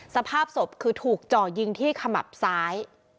สภาพศพคือถูกจ่อยิงที่ขมับซ้าย